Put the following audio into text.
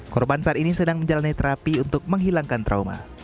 korban saat ini sedang menjalani terapi untuk menghilangkan trauma